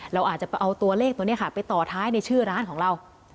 เราอาจจะนำตัวเลขไปต่อท้ายในชื่อร้านของเรา